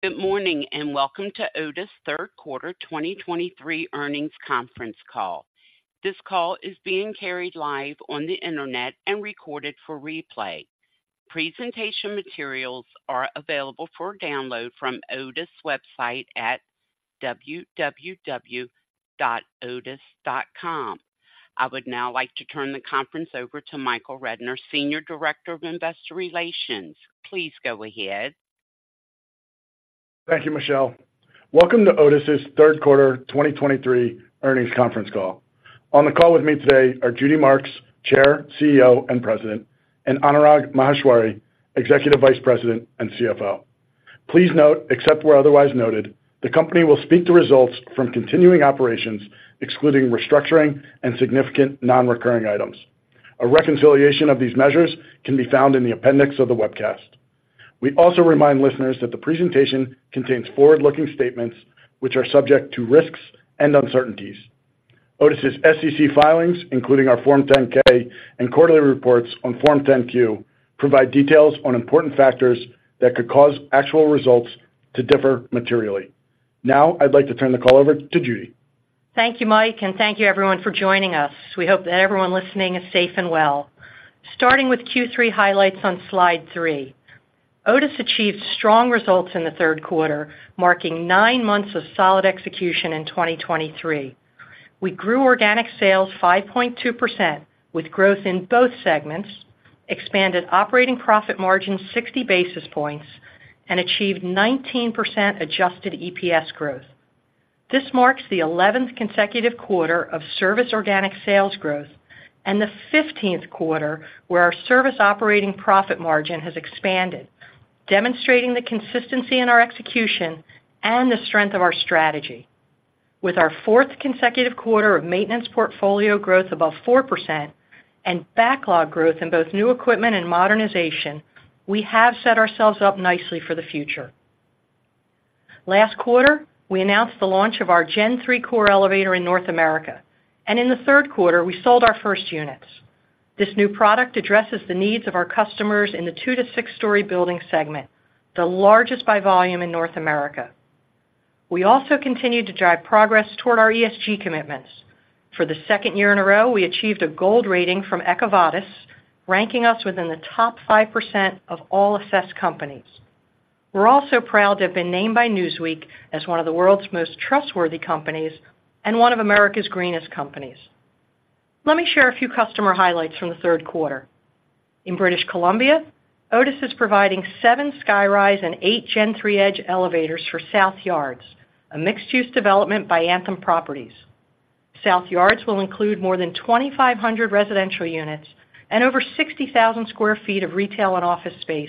Good morning, and welcome to Otis' third quarter 2023 earnings conference call. This call is being carried live on the internet and recorded for replay. Presentation materials are available for download from Otis' website at www.otis.com. I would now like to turn the conference over to Michael Rednor, Senior Director of Investor Relations. Please go ahead. Thank you, Michelle. Welcome to Otis' third quarter 2023 earnings conference call. On the call with me today are Judy Marks, Chair, CEO, and President, and Anurag Maheshwari, Executive Vice President and CFO. Please note, except where otherwise noted, the company will speak to results from continuing operations, excluding restructuring and significant non-recurring items. A reconciliation of these measures can be found in the appendix of the webcast. We also remind listeners that the presentation contains forward-looking statements which are subject to risks and uncertainties. Otis' SEC filings, including our Form 10-K and quarterly reports on Form 10-Q, provide details on important factors that could cause actual results to differ materially. Now, I'd like to turn the call over to Judy. Thank you, Mike, and thank you everyone for joining us. We hope that everyone listening is safe and well. Starting with Q3 highlights on Slide 3. Otis achieved strong results in the third quarter, marking 9 months of solid execution in 2023. We grew organic sales 5.2%, with growth in both segments, expanded operating profit margin 60 basis points, and achieved 19% adjusted EPS growth. This marks the 11th consecutive quarter of service organic sales growth and the 15th quarter where our service operating profit margin has expanded, demonstrating the consistency in our execution and the strength of our strategy. With our 4th consecutive quarter of maintenance portfolio growth above 4% and backlog growth in both new equipment and modernization, we have set ourselves up nicely for the future. Last quarter, we announced the launch of our Gen3 Core elevator in North America, and in the third quarter, we sold our first units. This new product addresses the needs of our customers in the 2-6-story building segment, the largest by volume in North America. We also continued to drive progress toward our ESG commitments. For the second year in a row, we achieved a gold rating from EcoVadis, ranking us within the top 5% of all assessed companies. We're also proud to have been named by Newsweek as one of the world's most trustworthy companies and one of America's greenest companies. Let me share a few customer highlights from the third quarter. In British Columbia, Otis is providing 7 SkyRise and 8 Gen3 Edge elevators for South Yards, a mixed-use development by Anthem Properties. South Yards will include more than 2,500 residential units and over 60,000 sq ft of retail and office space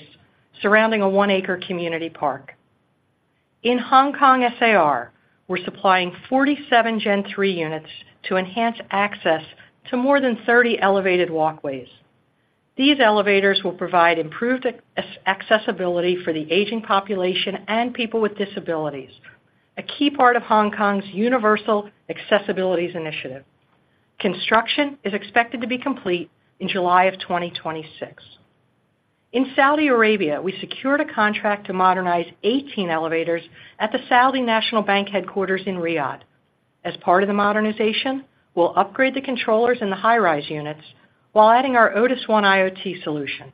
surrounding a 1-acre community park. In Hong Kong SAR, we're supplying 47 Gen3 units to enhance access to more than 30 elevated walkways. These elevators will provide improved accessibility for the aging population and people with disabilities, a key part of Hong Kong's Universal Accessibility Initiative. Construction is expected to be complete in July 2026. In Saudi Arabia, we secured a contract to modernize 18 elevators at the Saudi National Bank headquarters in Riyadh. As part of the modernization, we'll upgrade the controllers in the high rise units while adding our Otis ONE IoT solution.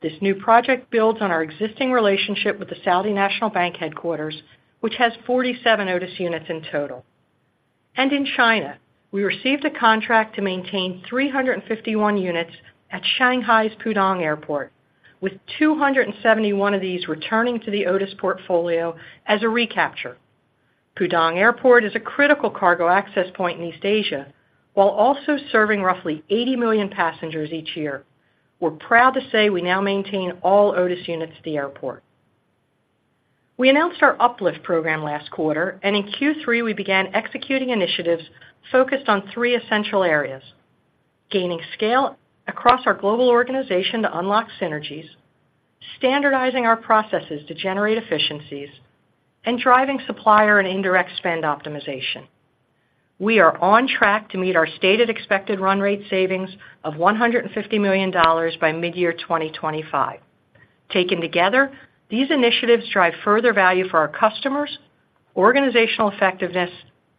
This new project builds on our existing relationship with the Saudi National Bank headquarters, which has 47 Otis units in total. In China, we received a contract to maintain 351 units at Shanghai's Pudong Airport, with 271 of these returning to the Otis portfolio as a recapture. Pudong Airport is a critical cargo access point in East Asia, while also serving roughly 80 million passengers each year. We're proud to say we now maintain all Otis units at the airport. We announced our Uplift program last quarter, and in Q3, we began executing initiatives focused on three essential areas: gaining scale across our global organization to unlock synergies, standardizing our processes to generate efficiencies, and driving supplier and indirect spend optimization. We are on track to meet our stated expected run rate savings of $150 million by mid-year 2025. Taken together, these initiatives drive further value for our customers, organizational effectiveness,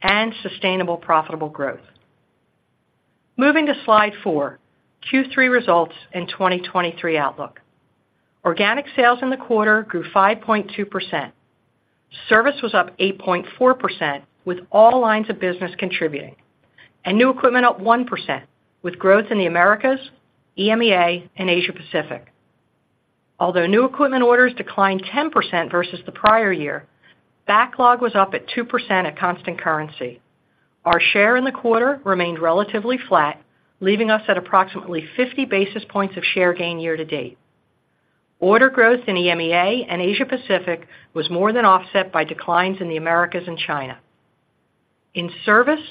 and sustainable, profitable growth. Moving to Slide 4, Q3 results in 2023 outlook. Organic sales in the quarter grew 5.2%. Service was up 8.4%, with all lines of business contributing, and new equipment up 1%, with growth in the Americas, EMEA, and Asia Pacific. Although new equipment orders declined 10% versus the prior year, backlog was up 2% at constant currency. Our share in the quarter remained relatively flat, leaving us at approximately 50 basis points of share gain year to date. Order growth in EMEA and Asia Pacific was more than offset by declines in the Americas and China. In service,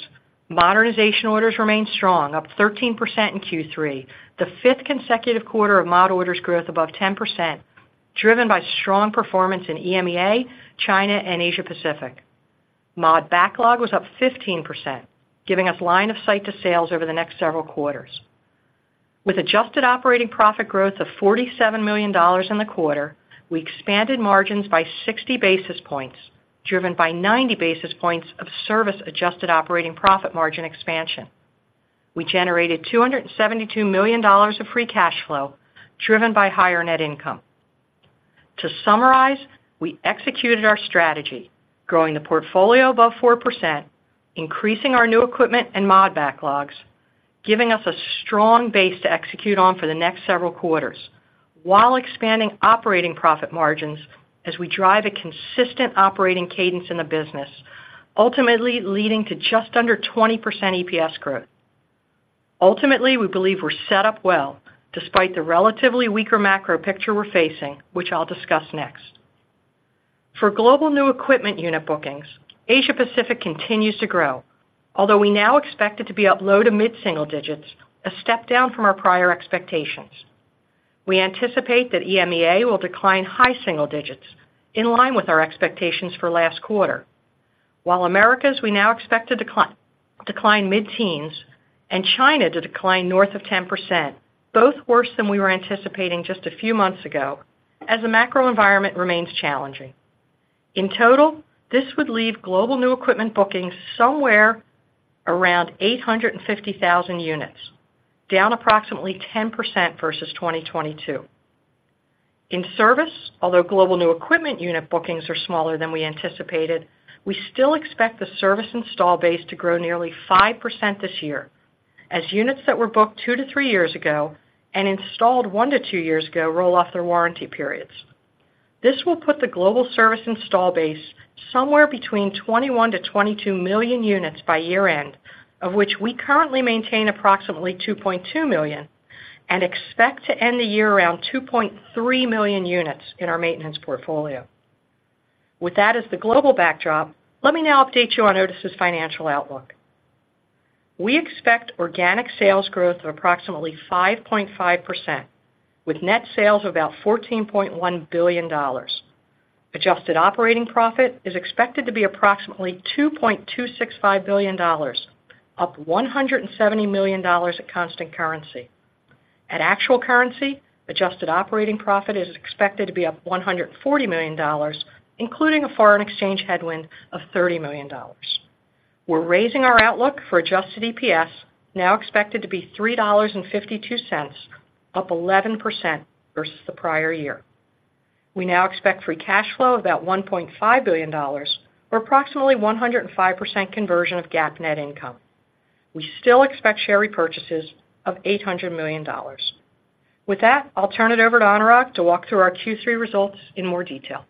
modernization orders remained strong, up 13% in Q3, the fifth consecutive quarter of mod orders growth above 10%, driven by strong performance in EMEA, China, and Asia Pacific. Mod backlog was up 15%, giving us line of sight to sales over the next several quarters. With adjusted operating profit growth of $47 million in the quarter, we expanded margins by 60 basis points, driven by 90 basis points of service-adjusted operating profit margin expansion. We generated $272 million of free cash flow, driven by higher net income. To summarize, we executed our strategy, growing the portfolio above 4%, increasing our new equipment and mod backlogs, giving us a strong base to execute on for the next several quarters, while expanding operating profit margins as we drive a consistent operating cadence in the business, ultimately leading to just under 20% EPS growth. Ultimately, we believe we're set up well, despite the relatively weaker macro picture we're facing, which I'll discuss next. For global new equipment unit bookings, Asia Pacific continues to grow, although we now expect it to be up low- to mid-single digits, a step down from our prior expectations. We anticipate that EMEA will decline high single digits, in line with our expectations for last quarter. While Americas, we now expect to decline mid-teens, and China to decline north of 10%, both worse than we were anticipating just a few months ago, as the macro environment remains challenging. In total, this would leave global new equipment bookings somewhere around 850,000 units, down approximately 10% versus 2022. In service, although global new equipment unit bookings are smaller than we anticipated, we still expect the service install base to grow nearly 5% this year, as units that were booked 2-3 years ago and installed 1-2 years ago roll off their warranty periods. This will put the global service install base somewhere between 21-22 million units by year-end, of which we currently maintain approximately 2.2 million and expect to end the year around 2.3 million units in our maintenance portfolio. With that as the global backdrop, let me now update you on Otis's financial outlook. We expect organic sales growth of approximately 5.5%, with net sales of about $14.1 billion. Adjusted operating profit is expected to be approximately $2.265 billion, up $170 million at constant currency. At actual currency, adjusted operating profit is expected to be up $140 million, including a foreign exchange headwind of $30 million. We're raising our outlook for adjusted EPS, now expected to be $3.52, up 11% versus the prior year. We now expect free cash flow of about $1.5 billion, or approximately 105% conversion of GAAP net income. We still expect share repurchases of $800 million. With that, I'll turn it over to Anurag to walk through our Q3 results in more detail.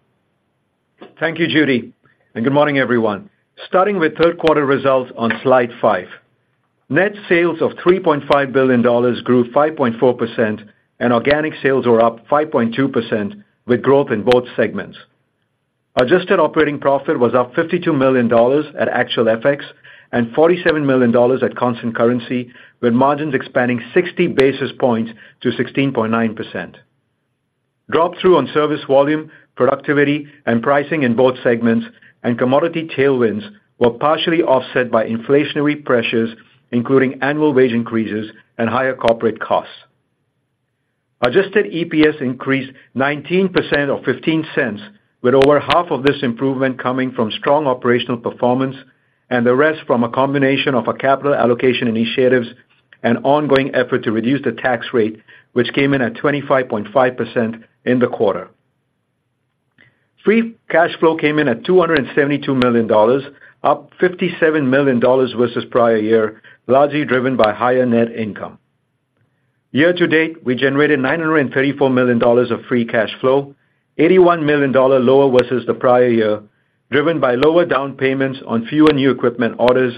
Thank you, Judy, and good morning, everyone. Starting with third quarter results on slide 5. Net sales of $3.5 billion grew 5.4%, and organic sales were up 5.2%, with growth in both segments. Adjusted operating profit was up $52 million at actual FX and $47 million at constant currency, with margins expanding 60 basis points to 16.9%. Drop-through on service volume, productivity, and pricing in both segments and commodity tailwinds were partially offset by inflationary pressures, including annual wage increases and higher corporate costs. Adjusted EPS increased 19% or $0.15, with over half of this improvement coming from strong operational performance and the rest from a combination of our capital allocation initiatives and ongoing effort to reduce the tax rate, which came in at 25.5% in the quarter. Free cash flow came in at $272 million, up $57 million versus prior year, largely driven by higher net income. Year to date, we generated $934 million of free cash flow, $81 million lower versus the prior year, driven by lower down payments on fewer new equipment orders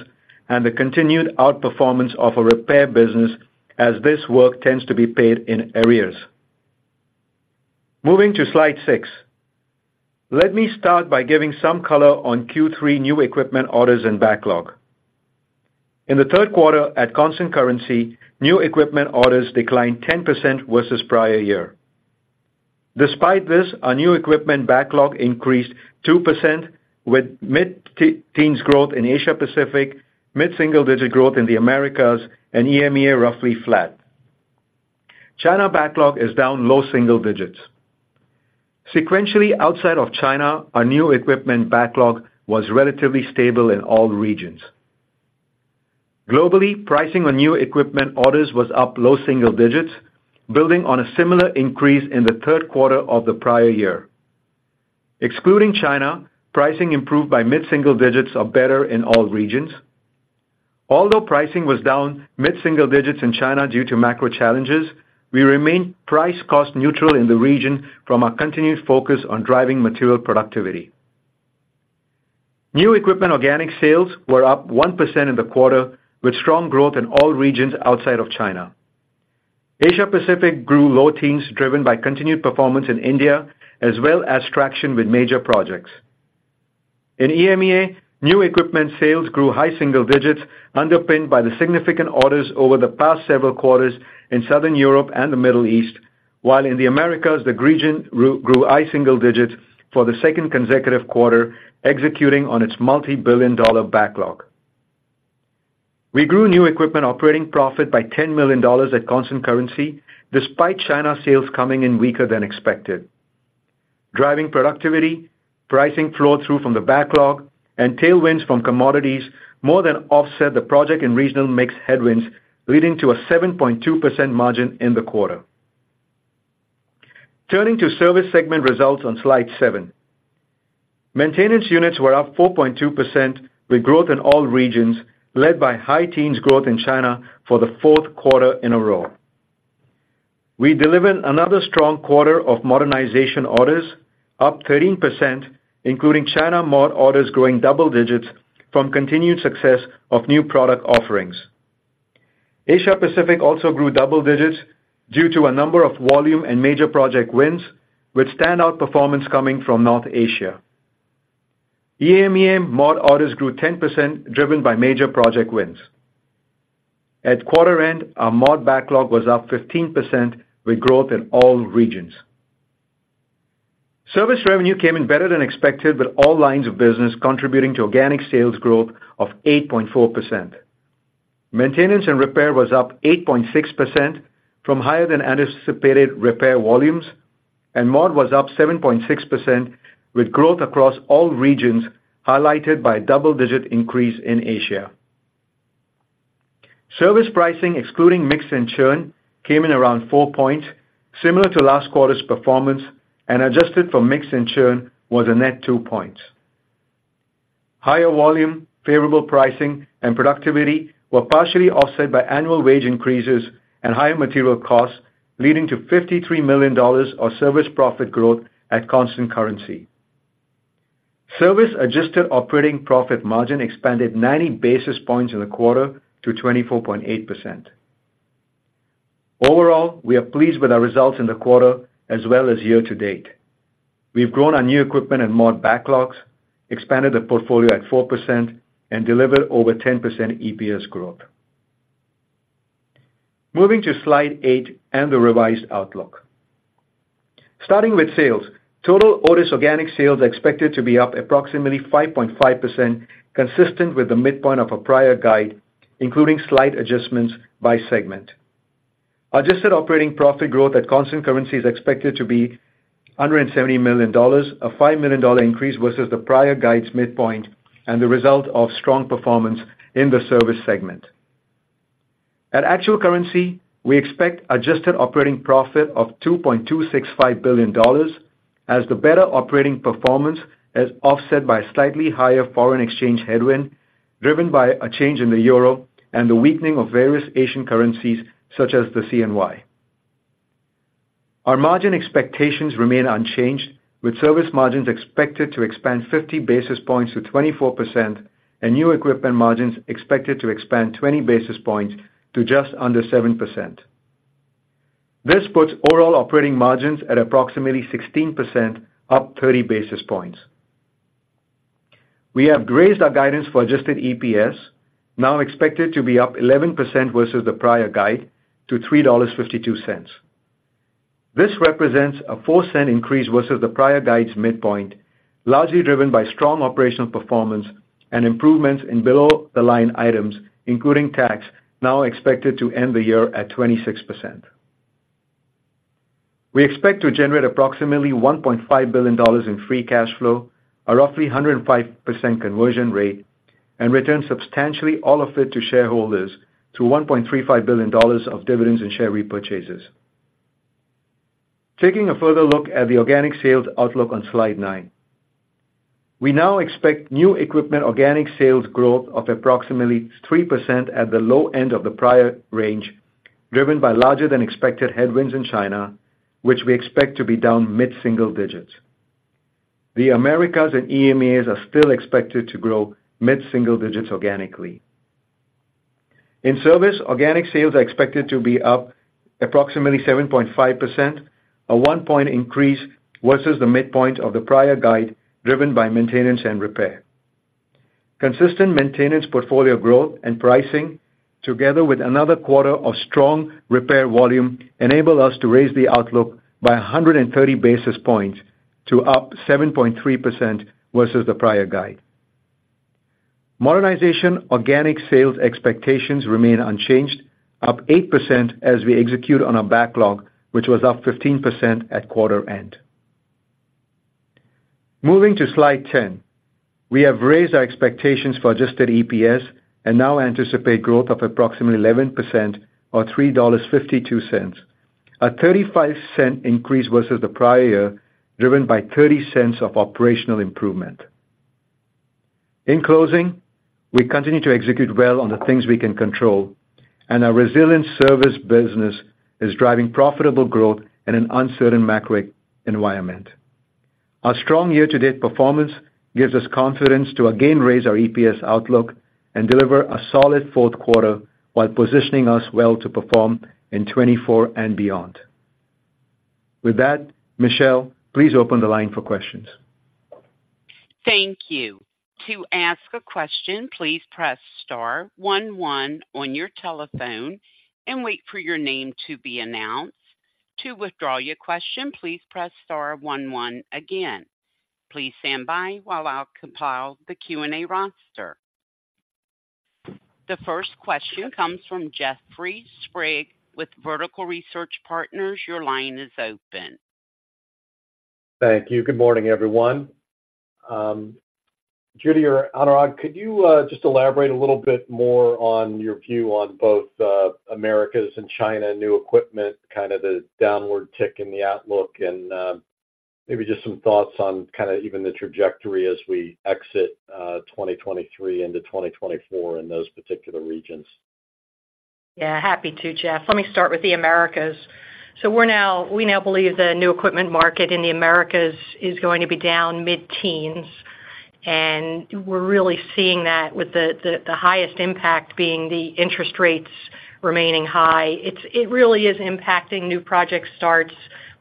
and the continued outperformance of our repair business, as this work tends to be paid in arrears. Moving to slide 6. Let me start by giving some color on Q3 new equipment orders and backlog. In the third quarter, at constant currency, new equipment orders declined 10% versus prior year. Despite this, our new equipment backlog increased 2%, with mid-teens growth in Asia Pacific, mid-single-digit growth in the Americas, and EMEA roughly flat. China backlog is down low single digits. Sequentially, outside of China, our new equipment backlog was relatively stable in all regions. Globally, pricing on new equipment orders was up low single digits, building on a similar increase in the third quarter of the prior year. Excluding China, pricing improved by mid-single digits or better in all regions. Although pricing was down mid-single digits in China due to macro challenges, we remained price-cost neutral in the region from our continued focus on driving material productivity. New equipment organic sales were up 1% in the quarter, with strong growth in all regions outside of China. Asia Pacific grew low teens, driven by continued performance in India, as well as traction with major projects. In EMEA, new equipment sales grew high single digits, underpinned by the significant orders over the past several quarters in Southern Europe and the Middle East, while in the Americas, the region grew, grew high single digits for the second consecutive quarter, executing on its multibillion-dollar backlog. We grew new equipment operating profit by $10 million at constant currency, despite China sales coming in weaker than expected. Driving productivity, pricing flow-through from the backlog, and tailwinds from commodities more than offset the project and regional mix headwinds, leading to a 7.2% margin in the quarter. Turning to service segment results on Slide 7. Maintenance units were up 4.2%, with growth in all regions, led by high teens growth in China for the fourth quarter in a row. We delivered another strong quarter of modernization orders, up 13%, including China mod orders growing double digits from continued success of new product offerings. Asia Pacific also grew double digits due to a number of volume and major project wins, with standout performance coming from North Asia. EMEA mod orders grew 10%, driven by major project wins. At quarter end, our mod backlog was up 15%, with growth in all regions. Service revenue came in better than expected, with all lines of business contributing to organic sales growth of 8.4%. Maintenance and repair was up 8.6% from higher than anticipated repair volumes, and mod was up 7.6%, with growth across all regions, highlighted by double-digit increase in Asia. Service pricing, excluding mix and churn, came in around 4 points, similar to last quarter's performance, and adjusted for mix and churn, was a net 2 points. Higher volume, favorable pricing, and productivity were partially offset by annual wage increases and higher material costs, leading to $53 million of service profit growth at constant currency. Service adjusted operating profit margin expanded 90 basis points in the quarter to 24.8%. Overall, we are pleased with our results in the quarter as well as year to date. We've grown our new equipment and mod backlogs, expanded the portfolio at 4%, and delivered over 10% EPS growth. Moving to Slide 8 and the revised outlook. Starting with sales, total Otis organic sales are expected to be up approximately 5.5%, consistent with the midpoint of a prior guide, including slight adjustments by segment. Adjusted operating profit growth at constant currency is expected to be under $70 million, a $5 million increase versus the prior guide's midpoint and the result of strong performance in the service segment. At actual currency, we expect adjusted operating profit of $2.265 billion, as the better operating performance is offset by slightly higher foreign exchange headwind, driven by a change in the euro and the weakening of various Asian currencies, such as the CNY. Our margin expectations remain unchanged, with service margins expected to expand 50 basis points to 24% and new equipment margins expected to expand 20 basis points to just under 7%. This puts overall operating margins at approximately 16%, up 30 basis points. We have raised our guidance for Adjusted EPS, now expected to be up 11% versus the prior guide to $3.52. This represents a $0.04 increase versus the prior guide's midpoint, largely driven by strong operational performance and improvements in below-the-line items, including tax, now expected to end the year at 26%. We expect to generate approximately $1.5 billion in Free Cash Flow, a roughly 105% conversion rate, and return substantially all of it to shareholders through $1.35 billion of dividends and share repurchases. Taking a further look at the organic sales outlook on Slide 9. We now expect new equipment organic sales growth of approximately 3% at the low end of the prior range, driven by larger than expected headwinds in China, which we expect to be down mid-single digits. The Americas and EMEA are still expected to grow mid-single digits organically. In service, organic sales are expected to be up approximately 7.5%, a 1-point increase versus the midpoint of the prior guide, driven by maintenance and repair. Consistent maintenance portfolio growth and pricing, together with another quarter of strong repair volume, enable us to raise the outlook by 130 basis points to up 7.3% versus the prior guide. Modernization organic sales expectations remain unchanged, up 8% as we execute on our backlog, which was up 15% at quarter end. Moving to Slide 10. We have raised our expectations for adjusted EPS and now anticipate growth of approximately 11% or $3.52, a 35-cent increase versus the prior year, driven by 30 cents of operational improvement. In closing, we continue to execute well on the things we can control, and our resilient service business is driving profitable growth in an uncertain macro environment. Our strong year-to-date performance gives us confidence to again raise our EPS outlook and deliver a solid fourth quarter while positioning us well to perform in 2024 and beyond. With that, Michelle, please open the line for questions. Thank you. To ask a question, please press star one one on your telephone and wait for your name to be announced.... To withdraw your question, please press star one one again. Please stand by while I'll compile the Q&A roster. The first question comes from Jeffrey Sprague with Vertical Research Partners. Your line is open. Thank you. Good morning, everyone. Judy or Anurag, could you just elaborate a little bit more on your view on both, Americas and China, new equipment, kind of the downward tick in the outlook, and maybe just some thoughts on kind of even the trajectory as we exit 2023 into 2024 in those particular regions? Yeah, happy to, Jeff. Let me start with the Americas. So we're now we now believe the new equipment market in the Americas is going to be down mid-teens, and we're really seeing that with the highest impact being the interest rates remaining high. It's really impacting new project starts.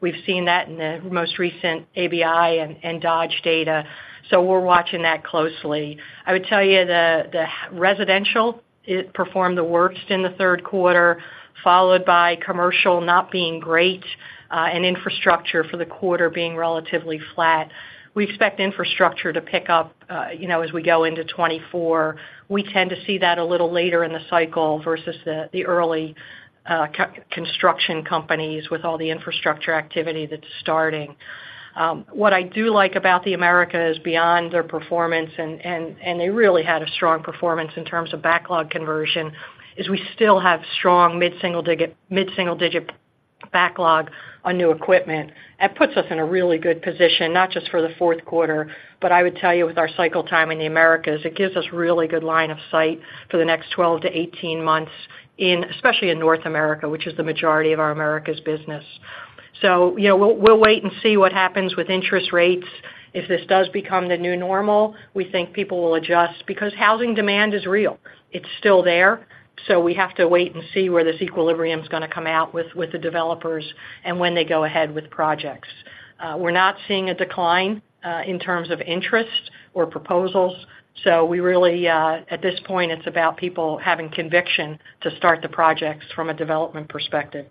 We've seen that in the most recent ABI and Dodge Data, so we're watching that closely. I would tell you the residential, it performed the worst in the third quarter, followed by commercial not being great, and infrastructure for the quarter being relatively flat. We expect infrastructure to pick up, you know, as we go into 2024. We tend to see that a little later in the cycle versus the early construction companies with all the infrastructure activity that's starting. What I do like about the Americas is, beyond their performance and they really had a strong performance in terms of backlog conversion, is we still have strong mid-single-digit backlog on new equipment. That puts us in a really good position, not just for the fourth quarter, but I would tell you with our cycle time in the Americas, it gives us really good line of sight for the next 12-18 months in, especially in North America, which is the majority of our Americas business. So, you know, we'll wait and see what happens with interest rates. If this does become the new normal, we think people will adjust because housing demand is real. It's still there, so we have to wait and see where this equilibrium is gonna come out with the developers and when they go ahead with projects. We're not seeing a decline in terms of interest or proposals, so we really at this point, it's about people having conviction to start the projects from a development perspective.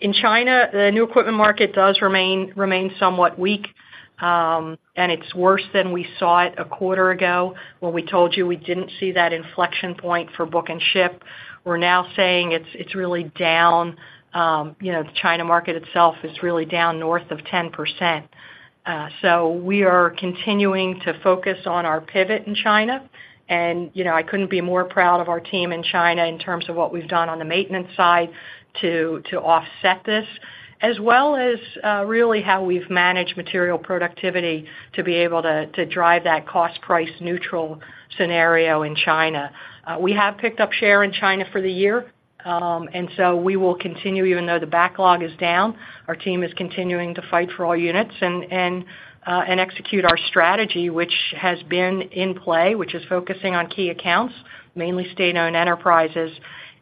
In China, the new equipment market does remain somewhat weak, and it's worse than we saw it a quarter ago, when we told you we didn't see that inflection point for book and ship. We're now saying it's really down, you know, the China market itself is really down north of 10%. So we are continuing to focus on our pivot in China and, you know, I couldn't be more proud of our team in China in terms of what we've done on the maintenance side to offset this, as well as really how we've managed material productivity to be able to drive that cost-price neutral scenario in China. We have picked up share in China for the year, and so we will continue even though the backlog is down. Our team is continuing to fight for all units and execute our strategy, which has been in play, which is focusing on key accounts, mainly state-owned enterprises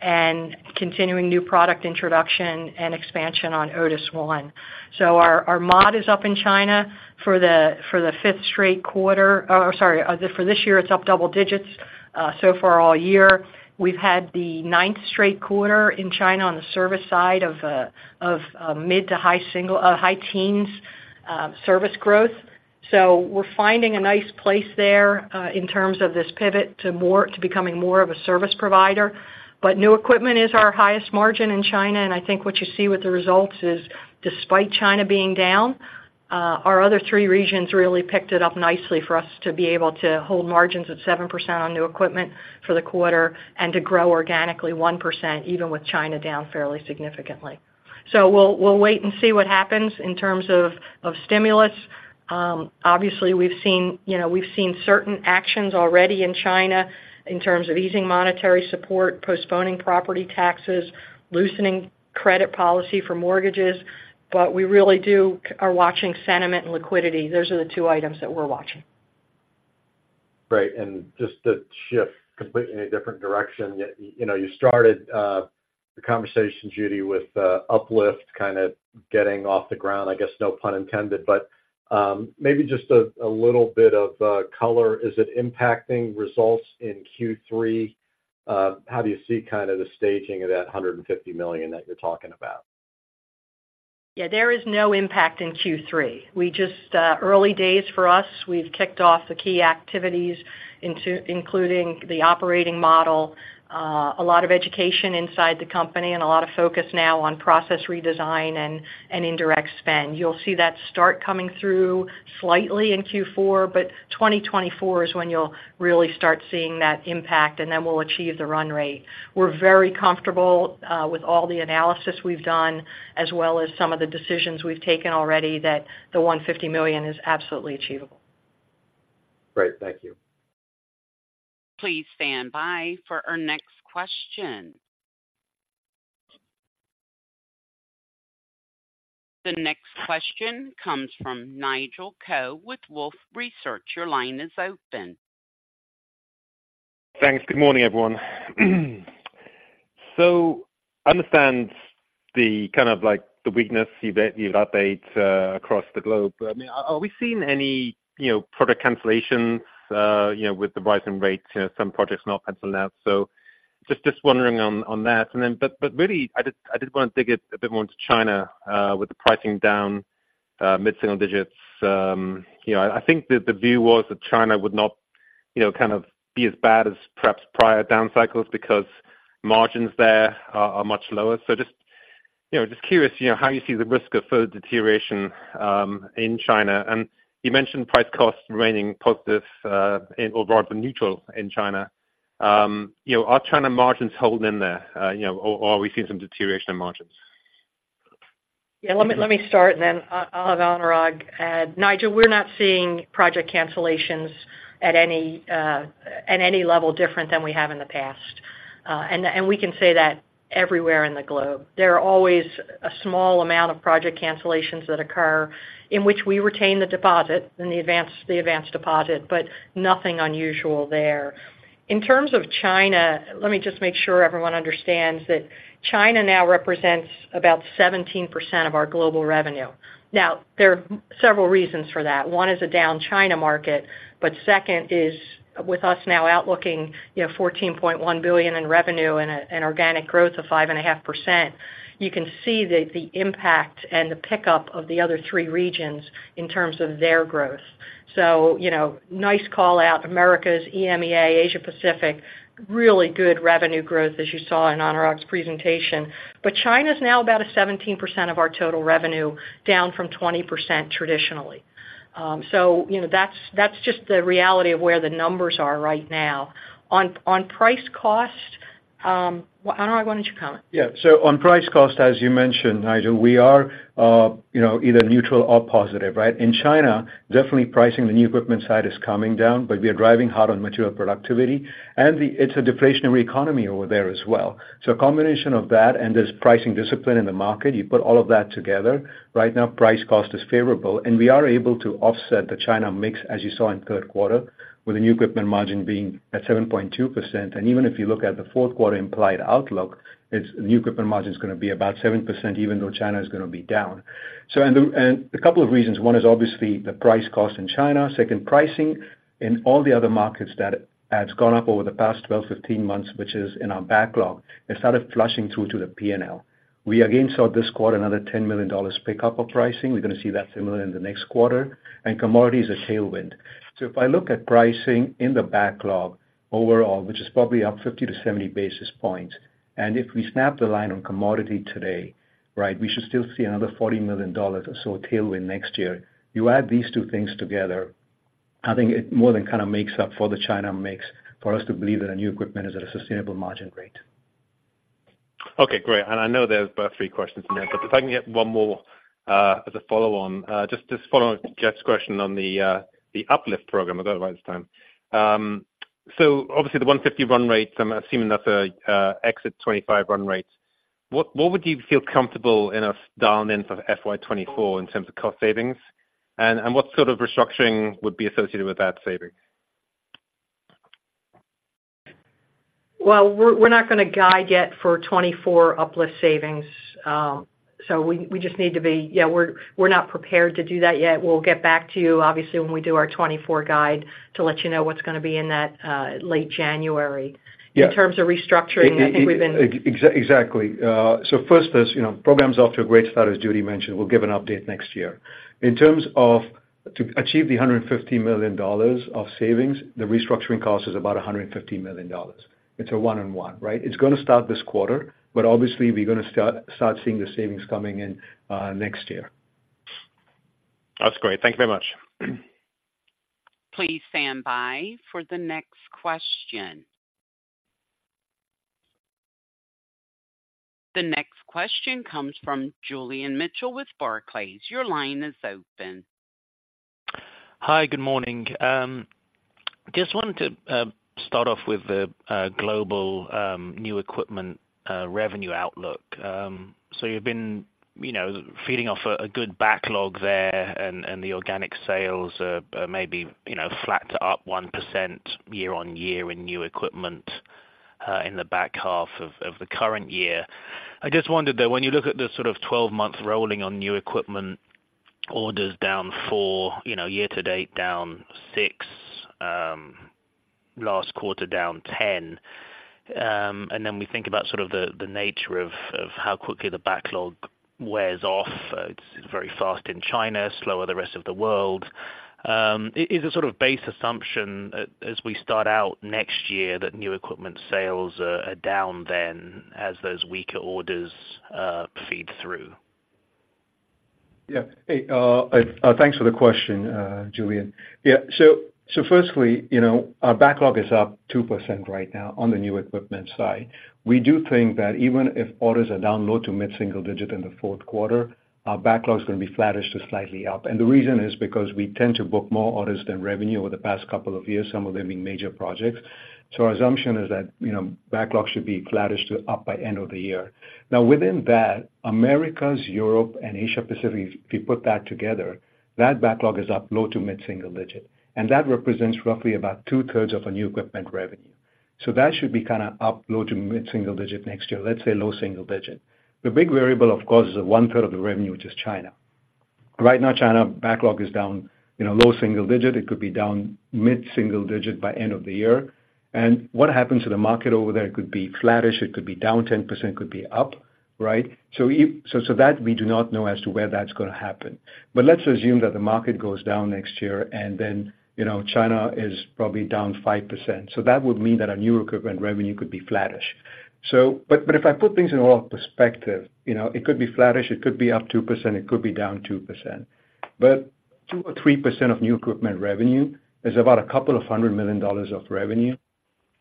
and continuing new product introduction and expansion on Otis ONE. So our mod is up in China for the fifth straight quarter, for this year, it's up double digits. So far all year, we've had the ninth straight quarter in China on the service side of, of, mid- to high-single high-teens service growth. So we're finding a nice place there in terms of this pivot to more, to becoming more of a service provider. But new equipment is our highest margin in China, and I think what you see with the results is despite China being down, our other three regions really picked it up nicely for us to be able to hold margins at 7% on new equipment for the quarter and to grow organically 1%, even with China down fairly significantly. So we'll wait and see what happens in terms of stimulus. Obviously, we've seen, you know, we've seen certain actions already in China in terms of easing monetary support, postponing property taxes, loosening credit policy for mortgages, but we really are watching sentiment and liquidity. Those are the two items that we're watching. Great. Just to shift completely in a different direction, you know, you started the conversation, Judy, with Uplift kind of getting off the ground, I guess, no pun intended, but maybe just a little bit of color. Is it impacting results in Q3? How do you see kind of the staging of that $150 million that you're talking about? Yeah, there is no impact in Q3. We just, early days for us, we've kicked off the key activities, including the operating model, a lot of education inside the company and a lot of focus now on process redesign and indirect spend. You'll see that start coming through slightly in Q4, but 2024 is when you'll really start seeing that impact, and then we'll achieve the run rate. We're very comfortable, with all the analysis we've done, as well as some of the decisions we've taken already, that the $150 million is absolutely achievable. Great. Thank you. Please stand by for our next question. The next question comes from Nigel Coe with Wolfe Research. Your line is open. Thanks. Good morning, everyone. So I understand the kind of, like, the weakness you've updated across the globe. I mean, are we seeing any, you know, product cancellations, you know, with the rising rates, you know, some projects not pencil out, so? Just wondering on that. And then, but really I did want to dig it a bit more into China, with the pricing down mid-single digits. You know, I think that the view was that China would not, you know, kind of be as bad as perhaps prior down cycles because margins there are much lower. So just, you know, just curious, you know, how you see the risk of further deterioration in China. And you mentioned price-cost remaining positive, in or rather neutral in China. You know, are China margins holding in there, you know, or, or are we seeing some deterioration in margins? Yeah, let me start and then I'll have Anurag add. Nigel, we're not seeing project cancellations at any level different than we have in the past. And we can say that everywhere in the globe. There are always a small amount of project cancellations that occur, in which we retain the deposit and the advance deposit, but nothing unusual there. In terms of China, let me just make sure everyone understands that China now represents about 17% of our global revenue. Now, there are several reasons for that. One is a down China market, but second is with us now outlooking, you know, $14.1 billion in revenue and an organic growth of 5.5%, you can see that the impact and the pickup of the other three regions in terms of their growth. So, you know, nice call out, Americas, EMEA, Asia Pacific, really good revenue growth, as you saw in Anurag's presentation. But China's now about a 17% of our total revenue, down from 20% traditionally. So, you know, that's, that's just the reality of where the numbers are right now. On, on price-cost, well, Anurag, why don't you comment? Yeah. So on price cost, as you mentioned, Nigel, we are, you know, either neutral or positive, right? In China, definitely pricing the new equipment side is coming down, but we are driving hard on material productivity, and it's a deflationary economy over there as well. So a combination of that and there's pricing discipline in the market, you put all of that together, right now, price cost is favorable, and we are able to offset the China mix, as you saw in third quarter, with the new equipment margin being at 7.2%. And even if you look at the fourth quarter implied outlook, its new equipment margin is going to be about 7%, even though China is going to be down. So, and a couple of reasons, one is obviously the price cost in China. Second, pricing in all the other markets that has gone up over the past 12-15 months, which is in our backlog, it started flushing through to the P&L. We again saw this quarter another $10 million pickup of pricing. We're going to see that similar in the next quarter, and commodity is a tailwind. So if I look at pricing in the backlog overall, which is probably up 50-70 basis points, and if we snap the line on commodity today, right, we should still see another $40 million or so tailwind next year. You add these two things together, I think it more than kind of makes up for the China mix, for us to believe that a new equipment is at a sustainable margin rate. Okay, great. I know there's about 3 questions in there, but if I can get one more, as a follow-on. Just, just following Jeff's question on the Uplift program, I got it right this time. So obviously the $150 run rates, I'm assuming that's a exit 2025 run rate. What, what would you feel comfortable in a dial-in for FY 2024 in terms of cost savings? And, and what sort of restructuring would be associated with that saving? Well, we're not going to guide yet for 2024 Uplift savings. So we just need to be... Yeah, we're not prepared to do that yet. We'll get back to you, obviously, when we do our 2024 guide to let you know what's going to be in that, late January. Yeah. In terms of restructuring, I think we've been- Exactly. So first, as you know, program's off to a great start, as Judy mentioned. We'll give an update next year. In terms of to achieve the $150 million of savings, the restructuring cost is about $150 million. It's a 1:1, right? It's going to start this quarter, but obviously we're going to start seeing the savings coming in next year. That's great. Thank you very much. Please stand by for the next question. The next question comes from Julian Mitchell with Barclays. Your line is open. Hi, good morning. Just wanted to start off with the global new equipment revenue outlook. So you've been, you know, feeding off a good backlog there, and the organic sales are maybe, you know, flat to up 1% year-on-year in new equipment in the back half of the current year. I just wondered, though, when you look at the sort of 12-month rolling on new equipment orders down 4, you know, year to date down 6, last quarter down 10, and then we think about sort of the nature of how quickly the backlog wears off. It's very fast in China, slower the rest of the world. Is a sort of base assumption as we start out next year, that new equipment sales are, are down then as those weaker orders, feed through? Yeah. Hey, thanks for the question, Julian. Yeah, so, firstly, you know, our backlog is up 2% right now on the new equipment side. We do think that even if orders are down low-to-mid single digit in the fourth quarter, our backlog is going to be flattish to slightly up. And the reason is because we tend to book more orders than revenue over the past couple of years, some of them being major projects. So our assumption is that, you know, backlog should be flattish to up by end of the year. Now, within that, Americas, Europe and Asia Pacific, if you put that together, that backlog is up low-to-mid single digit, and that represents roughly about two-thirds of our new equipment revenue. So that should be kind of up low- to mid-single digit next year, let's say low-single digit. The big variable, of course, is one-third of the revenue, which is China. Right now, China backlog is down, you know, low-single digit. It could be down mid-single digit by end of the year. And what happens to the market over there? It could be flattish, it could be down 10%, could be up, right? So, so that we do not know as to where that's gonna happen. But let's assume that the market goes down next year, and then, you know, China is probably down 5%. So that would mean that our new equipment revenue could be flattish. But if I put things into perspective, you know, it could be flattish, it could be up 2%, it could be down 2%. But 2%-3% of new equipment revenue is about $200 million of revenue.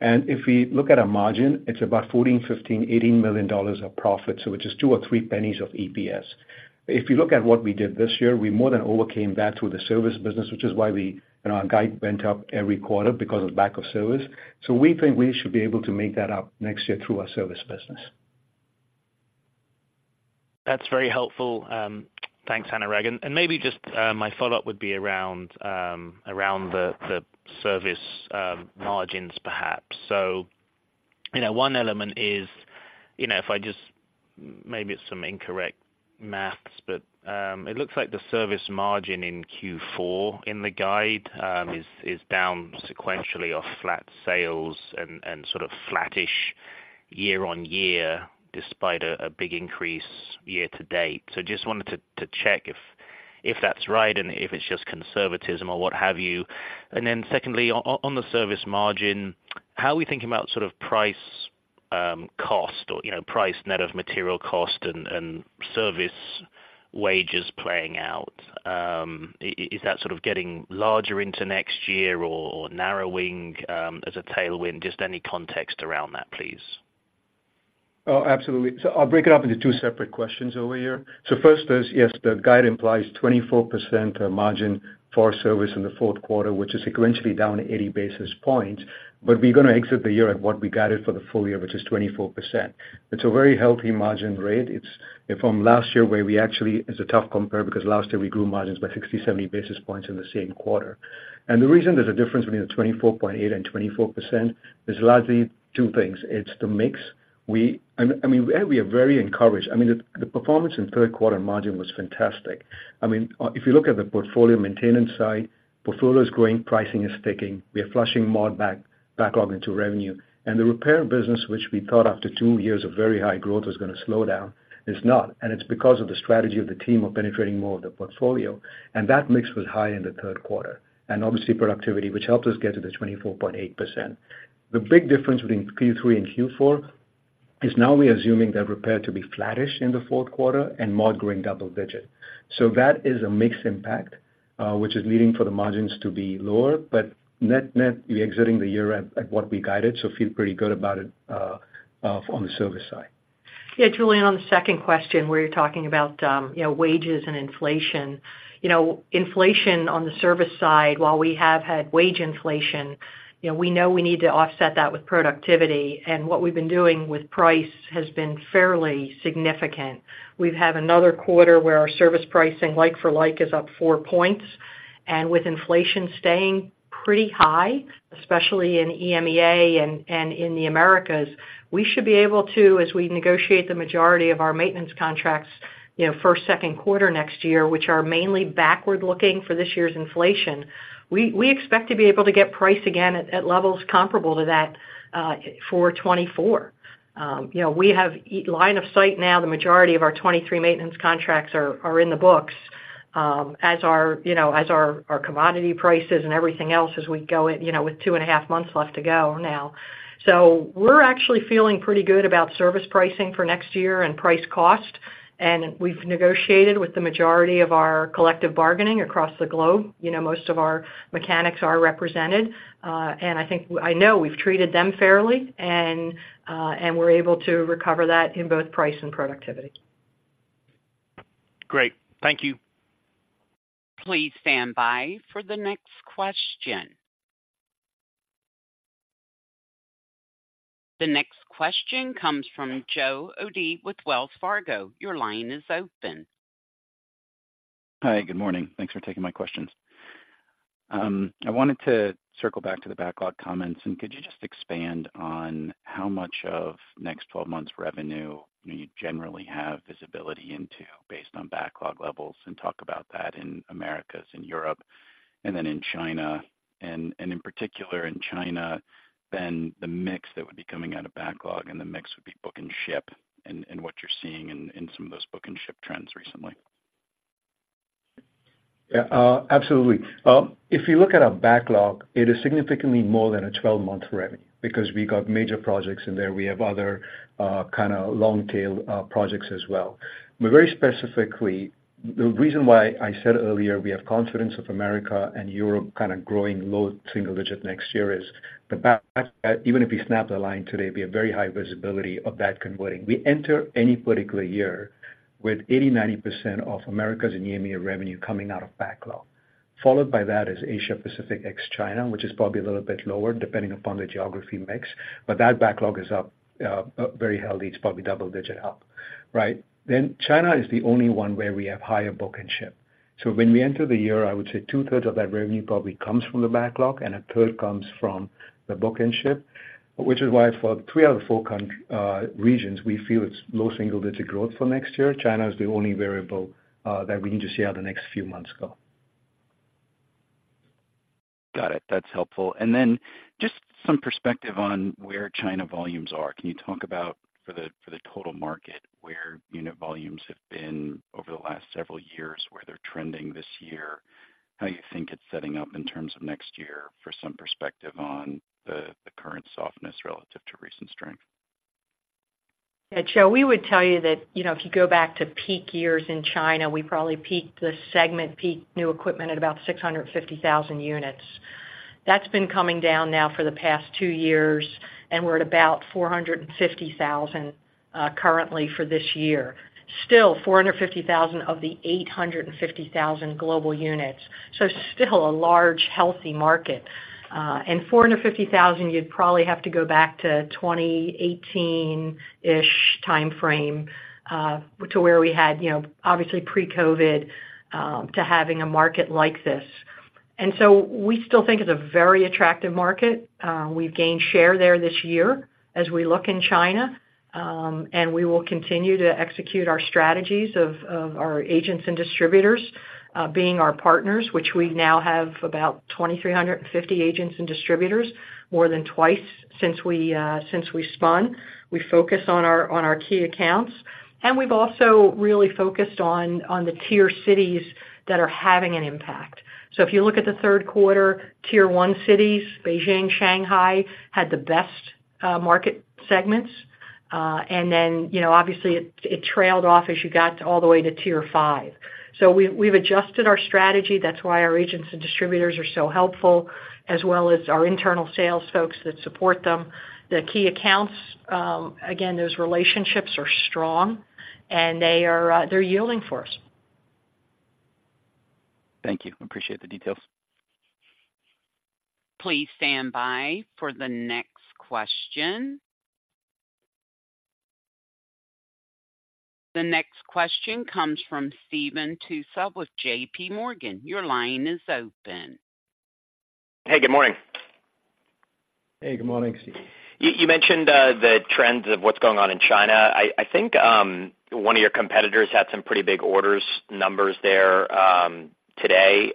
And if we look at our margin, it's about $14 million, $15 million, $18 million of profit, so which is 2 or 3 pennies of EPS. If you look at what we did this year, we more than overcame that through the service business, which is why we and our guide went up every quarter because of the back of service. So we think we should be able to make that up next year through our service business. That's very helpful. Thanks, Anurag. And maybe just my follow-up would be around the service margins, perhaps. So, you know, one element is, you know, if I just—maybe it's some incorrect math, but it looks like the service margin in Q4 in the guide is down sequentially of flat sales and sort of flattish year-on-year, despite a big increase year-to-date. So just wanted to check if that's right, and if it's just conservatism or what have you. And then secondly, on the service margin, how are we thinking about sort of price cost or, you know, price net of material cost and service wages playing out? Is that sort of getting larger into next year or narrowing as a tailwind? Just any context around that, please. Oh, absolutely. So I'll break it up into two separate questions over here. So first is, yes, the guide implies 24% margin for our service in the fourth quarter, which is sequentially down 80 basis points. But we're gonna exit the year at what we guided for the full year, which is 24%. It's a very healthy margin rate. It's from last year, where we actually, it's a tough compare, because last year we grew margins by 60-70 basis points in the same quarter. And the reason there's a difference between the 24.8 and 24% is largely two things. It's the mix. We, I mean, we are very encouraged. I mean, the performance in third quarter margin was fantastic. I mean, if you look at the portfolio maintenance side, portfolio is growing, pricing is ticking, we are flushing more backlog into revenue. And the repair business, which we thought after two years of very high growth, was gonna slow down, is not. And it's because of the strategy of the team of penetrating more of the portfolio, and that mix was high in the third quarter, and obviously productivity, which helped us get to the 24.8%. The big difference between Q3 and Q4 is now we're assuming that repair to be flattish in the fourth quarter and mod growing double-digit. So that is a mixed impact, which is leading for the margins to be lower. But net-net, we're exiting the year at what we guided, so feel pretty good about it on the service side. Yeah, Julian, on the second question, where you're talking about, you know, wages and inflation. You know, inflation on the service side, while we have had wage inflation, you know, we know we need to offset that with productivity, and what we've been doing with price has been fairly significant. We've had another quarter where our service pricing, like for like, is up 4 points. And with inflation staying pretty high, especially in EMEA and in the Americas, we should be able to, as we negotiate the majority of our maintenance contracts, you know, first, second quarter next year, which are mainly backward-looking for this year's inflation, we expect to be able to get price again at levels comparable to that for 2024. You know, we have a line of sight now, the majority of our 23 maintenance contracts are in the books, as our, you know, as our commodity prices and everything else as we go in, you know, with 2.5 months left to go now. So we're actually feeling pretty good about service pricing for next year and price-cost, and we've negotiated with the majority of our collective bargaining across the globe. You know, most of our mechanics are represented, and I think I know we've treated them fairly, and we're able to recover that in both price and productivity. Great. Thank you. Please stand by for the next question. The next question comes from Joe Ritchie with Wells Fargo. Your line is open. Hi, good morning. Thanks for taking my questions. I wanted to circle back to the backlog comments, and could you just expand on how much of next twelve months' revenue you generally have visibility into, based on backlog levels? And talk about that in Americas and Europe and then in China. And in particular, in China, then the mix that would be coming out of backlog and the mix would be book and ship, and what you're seeing in some of those book and ship trends recently. Yeah, absolutely. If you look at our backlog, it is significantly more than a 12-month revenue, because we got major projects in there. We have other, kind of long tail, projects as well. But very specifically, the reason why I said earlier, we have confidence of Americas and Europe kind of growing low single digit next year is the backlog, even if we snap the line today, we have very high visibility of that converting. We enter any particular year with 80%-90% of Americas and EMEA revenue coming out of backlog. Followed by that is Asia Pacific, ex China, which is probably a little bit lower, depending upon the geography mix, but that backlog is up, very healthy. It's probably double digit up, right? Then China is the only one where we have higher book and ship. When we enter the year, I would say two-thirds of that revenue probably comes from the backlog, and a third comes from the book and ship, which is why for three out of four regions, we feel it's low single-digit growth for next year. China is the only variable that we need to see how the next few months go.... Got it. That's helpful. And then just some perspective on where China volumes are. Can you talk about, for the, for the total market, where unit volumes have been over the last several years, where they're trending this year, how you think it's setting up in terms of next year, for some perspective on the, the current softness relative to recent strength? Yeah, Joe, we would tell you that, you know, if you go back to peak years in China, we probably peaked the segment, peak new equipment at about 650,000 units. That's been coming down now for the past two years, and we're at about 450,000 currently for this year. Still, 450,000 of the 850,000 global units, so still a large, healthy market. And 450,000, you'd probably have to go back to 2018-ish timeframe to where we had, you know, obviously pre-COVID, to having a market like this. And so we still think it's a very attractive market. We've gained share there this year as we look in China, and we will continue to execute our strategies of our agents and distributors being our partners, which we now have about 2,350 agents and distributors, more than twice since we spun. We focus on our key accounts, and we've also really focused on the tier cities that are having an impact. So if you look at the third quarter, Tier 1 cities, Beijing, Shanghai, had the best market segments. And then, you know, obviously, it trailed off as you got all the way to Tier 5. So we've adjusted our strategy. That's why our agents and distributors are so helpful, as well as our internal sales folks that support them. The key accounts, again, those relationships are strong, and they are, they're yielding for us. Thank you. Appreciate the details. Please stand by for the next question. The next question comes from Steve Tusa with J.P. Morgan. Your line is open. Hey, good morning. Hey, good morning, Steve. You mentioned the trends of what's going on in China. I think one of your competitors had some pretty big orders, numbers there today.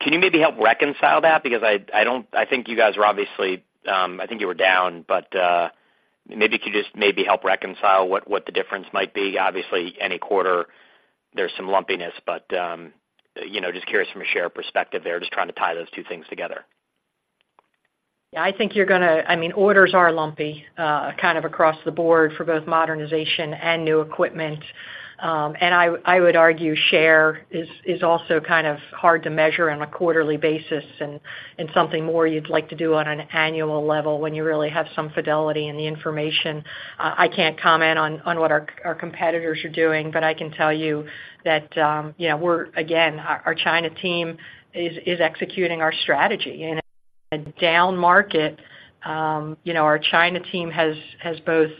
Can you maybe help reconcile that? Because I don't—I think you guys are obviously, I think you were down, but maybe could you just maybe help reconcile what the difference might be? Obviously, any quarter, there's some lumpiness, but you know, just curious from a share perspective there, just trying to tie those two things together. Yeah, I think you're gonna. I mean, orders are lumpy, kind of across the board for both modernization and new equipment. And I would argue, share is also kind of hard to measure on a quarterly basis and something more you'd like to do on an annual level when you really have some fidelity in the information. I can't comment on what our competitors are doing, but I can tell you that, you know, again, our China team is executing our strategy. In a down market, you know, our China team has both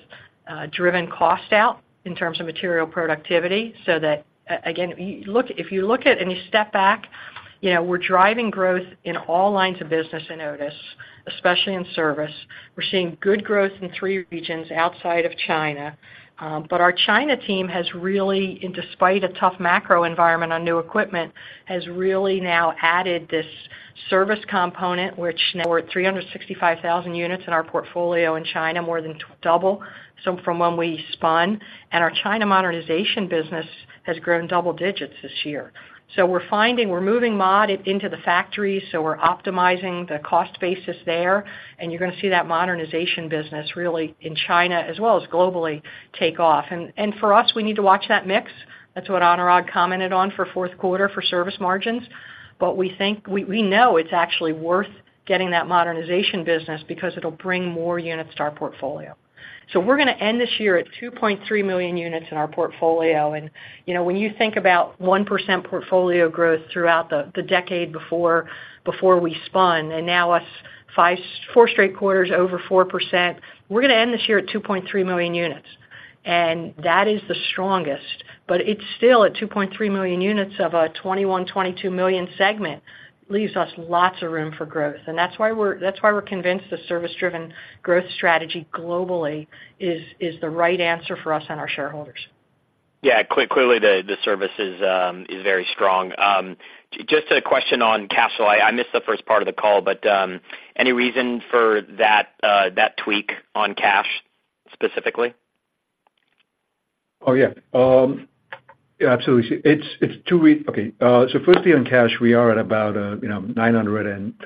driven cost out in terms of material productivity, so that, again, if you look at and you step back, you know, we're driving growth in all lines of business in Otis, especially in service. We're seeing good growth in three regions outside of China, but our China team has really, and despite a tough macro environment on new equipment, has really now added this service component, which now we're at 365,000 units in our portfolio in China, more than double so from when we spun, and our China modernization business has grown double digits this year. So we're finding we're moving mod into the factory, so we're optimizing the cost basis there, and you're gonna see that modernization business really in China as well as globally, take off. And for us, we need to watch that mix. That's what Anurag commented on for fourth quarter for service margins. But we think we know it's actually worth getting that modernization business because it'll bring more units to our portfolio. So we're gonna end this year at 2.3 million units in our portfolio, and you know, when you think about 1% portfolio growth throughout the decade before, before we spun, and now us five-- four straight quarters over 4%, we're gonna end this year at 2.3 million units. And that is the strongest, but it's still at 2.3 million units of a 21-22 million segment, leaves us lots of room for growth. And that's why we're, that's why we're convinced the service-driven growth strategy globally is, is the right answer for us and our shareholders. Yeah, clearly, the service is very strong. Just a question on cash flow. I missed the first part of the call, but any reason for that that tweak on cash, specifically? Oh, yeah. Yeah, absolutely. It's two reasons. Okay, so firstly, on cash, we are at about, you know, $934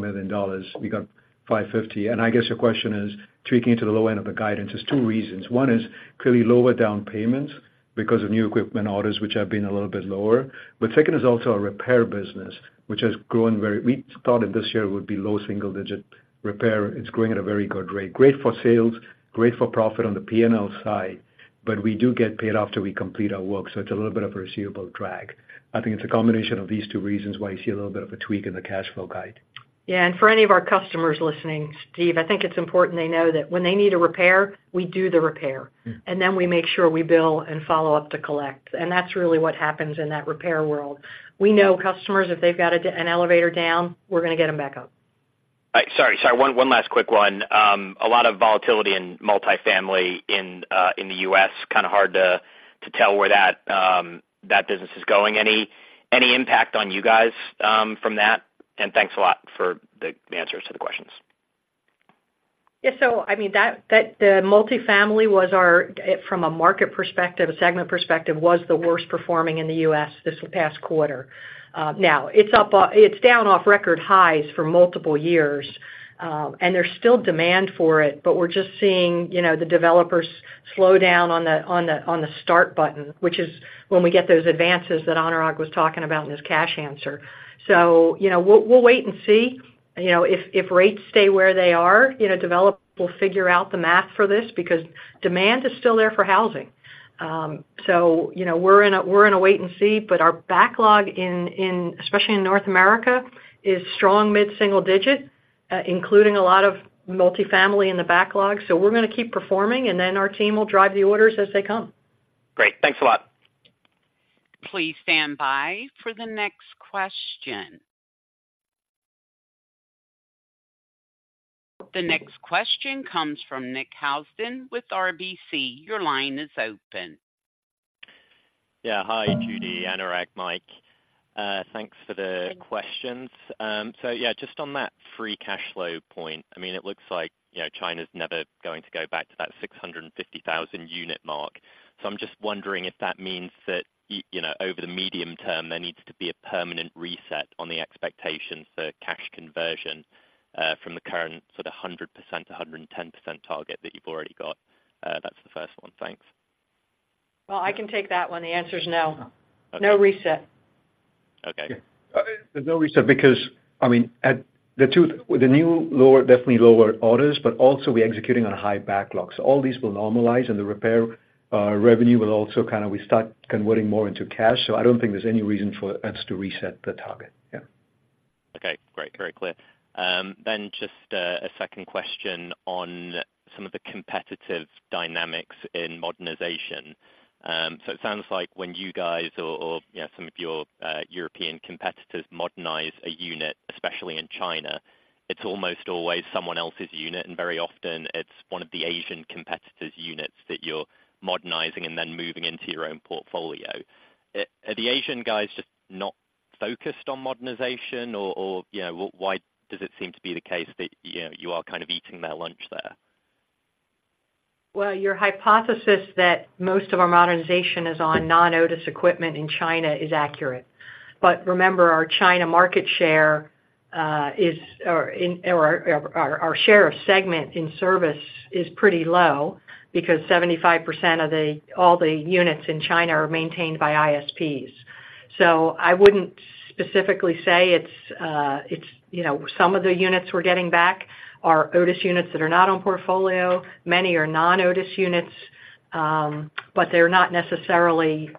million. We got $550, and I guess your question is tweaking it to the low end of the guidance. There's two reasons. One is clearly lower down payments because of new equipment orders, which have been a little bit lower. But second is also our repair business, which has grown very... We thought that this year would be low single digit. Repair is growing at a very good rate. Great for sales, great for profit on the P&L side, but we do get paid after we complete our work, so it's a little bit of a receivable drag. I think it's a combination of these two reasons why you see a little bit of a tweak in the cash flow guide. Yeah, and for any of our customers listening, Steve, I think it's important they know that when they need a repair, we do the repair, and then we make sure we bill and follow up to collect. And that's really what happens in that repair world. We know customers, if they've got an elevator down, we're gonna get them back up. Sorry, sorry, one last quick one. A lot of volatility in multifamily in the U.S. Kinda hard to tell where that business is going. Any impact on you guys from that? And thanks a lot for the answers to the questions. Yeah, so I mean, that the multifamily was our from a market perspective, a segment perspective, was the worst performing in the U.S. this past quarter. Now, it's up by—it's down off record highs for multiple years, and there's still demand for it, but we're just seeing, you know, the developers slow down on the, on the, on the start button, which is when we get those advances that Anurag was talking about in his cash answer. So, you know, we'll wait and see. You know, if rates stay where they are, you know, developers will figure out the math for this because demand is still there for housing. So, you know, we're in a wait and see, but our backlog, especially in North America, is strong mid-single digit, including a lot of multifamily in the backlog. So we're gonna keep performing, and then our team will drive the orders as they come. Great. Thanks a lot. Please stand by for the next question. The next question comes from Nick Housden with RBC. Your line is open. Yeah. Hi, Judy, Anurag, Mike. Thanks for the questions. So yeah, just on that free cash flow point, I mean, it looks like, you know, China's never going to go back to that 650,000 unit mark. So I'm just wondering if that means that you know, over the medium term, there needs to be a permanent reset on the expectations for cash conversion from the current sort of 100%-110% target that you've already got? That's the first one. Thanks. Well, I can take that one. The answer is no. Okay. No reset. Okay. There's no reset because, I mean, at the truth, with the new lower, definitely lower orders, but also we're executing on a high backlogs. All these will normalize, and the repair revenue will also kinda... We start converting more into cash. So I don't think there's any reason for us to reset the target. Yeah. Okay, great. Very clear. Then just a second question on some of the competitive dynamics in modernization. So it sounds like when you guys or, or, you know, some of your European competitors modernize a unit, especially in China, it's almost always someone else's unit, and very often it's one of the Asian competitors' units that you're modernizing and then moving into your own portfolio. Are the Asian guys just not focused on modernization? Or, you know, why does it seem to be the case that, you know, you are kind of eating their lunch there? Well, your hypothesis that most of our modernization is on non-Otis equipment in China is accurate. But remember, our China market share is our share of segment in service is pretty low because 75% of all the units in China are maintained by ISPs. So I wouldn't specifically say it's, it's, you know, some of the units we're getting back are Otis units that are not on portfolio. Many are non-Otis units, but they're not necessarily,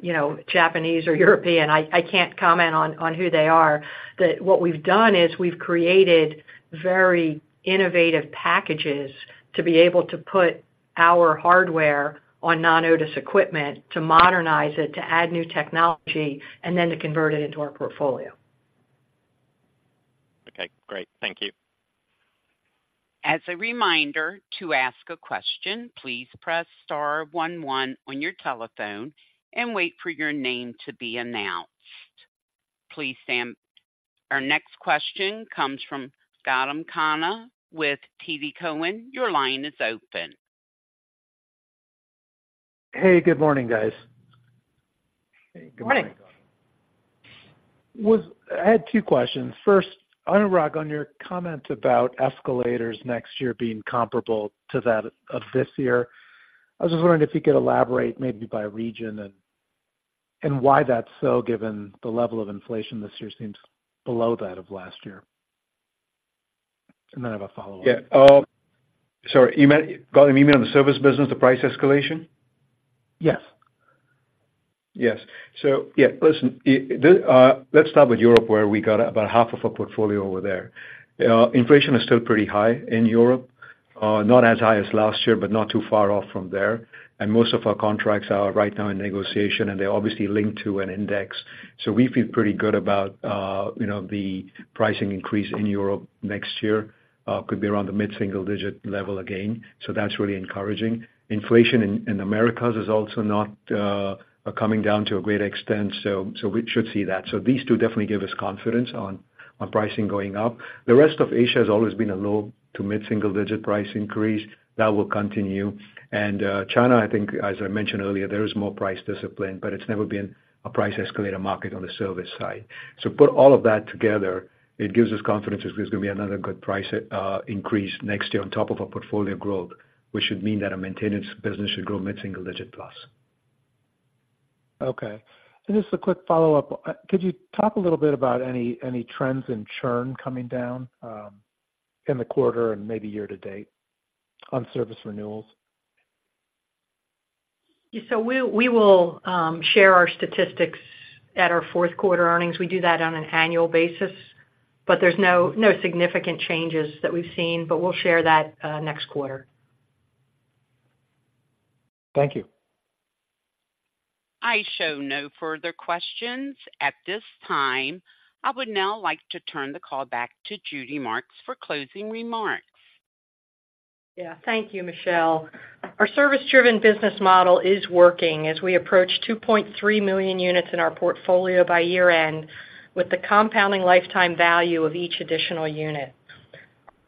you know, Japanese or European. I can't comment on who they are. But what we've done is we've created very innovative packages to be able to put our hardware on non-Otis equipment, to modernize it, to add new technology, and then to convert it into our portfolio. Okay, great. Thank you. As a reminder, to ask a question, please press star one one on your telephone and wait for your name to be announced. Please stand... Our next question comes from Gautam Khanna with TD Cowen. Your line is open. Hey, good morning, guys. Hey, good morning. Morning! I had two questions. First, Anurag, on your comment about escalators next year being comparable to that of this year, I was just wondering if you could elaborate, maybe by region and, and why that's so, given the level of inflation this year seems below that of last year. And then I have a follow-up. Yeah. Sorry, you meant, Gautam, you mean on the service business, the price escalation? Yes. Yes. So yeah, listen, let's start with Europe, where we got about half of our portfolio over there. Inflation is still pretty high in Europe, not as high as last year, but not too far off from there. And most of our contracts are right now in negotiation, and they're obviously linked to an index. So we feel pretty good about, you know, the pricing increase in Europe next year, could be around the mid-single digit level again. So that's really encouraging. Inflation in Americas is also not coming down to a great extent, so we should see that. So these two definitely give us confidence on pricing going up. The rest of Asia has always been a low to mid-single digit price increase. That will continue. China, I think, as I mentioned earlier, there is more price discipline, but it's never been a price escalator market on the service side. Put all of that together, it gives us confidence there's going to be another good price increase next year on top of our portfolio growth, which should mean that our maintenance business should grow mid-single digit plus. Okay. And just a quick follow-up. Could you talk a little bit about any, any trends in churn coming down, in the quarter and maybe year to date on service renewals? Yeah, so we, we will share our statistics at our fourth quarter earnings. We do that on an annual basis, but there's no, no significant changes that we've seen, but we'll share that next quarter. Thank you. I show no further questions at this time. I would now like to turn the call back to Judy Marks for closing remarks. Yeah. Thank you, Michelle. Our service-driven business model is working as we approach 2.3 million units in our portfolio by year-end, with the compounding lifetime value of each additional unit.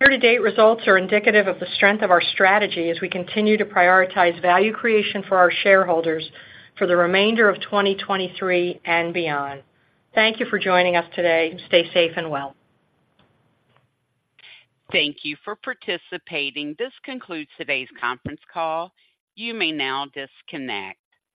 Year to date results are indicative of the strength of our strategy as we continue to prioritize value creation for our shareholders for the remainder of 2023 and beyond. Thank you for joining us today. Stay safe and well. Thank you for participating. This concludes today's conference call. You may now disconnect.